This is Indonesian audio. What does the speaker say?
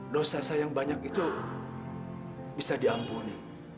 dosa sayang banyak itu bisa diampuni